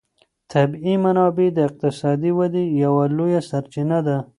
طبیعي منابع د اقتصادي ودې یوه لویه سرچینه ده.